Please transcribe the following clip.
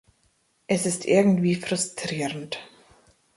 Es ist irgendwie frustrierend.